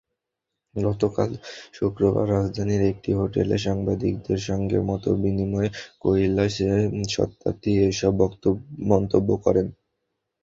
গতকাল শুক্রবার রাজধানীর একটি হোটেলে সাংবাদিকদের সঙ্গে মতবিনিময়ে কৈলাশ সত্যার্থী এসব মন্তব্য করেন।